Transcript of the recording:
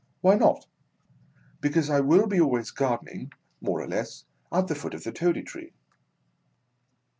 Why not ! Because I will be always garden ing, more or less, at the foot of the Toady Tree.